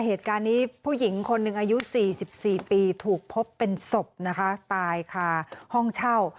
เหตุการณ์นี้ผู้หญิงคนหนึ่งอายุ๔๔ปีถูกพบเป็นศพนะคะตายค่ะห้องเช่า